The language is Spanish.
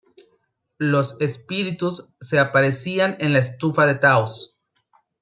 Los espíritus se aparecían en la estufa de Taos.